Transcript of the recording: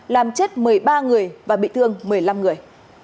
làm chết một mươi ba người và bị thương một mươi năm người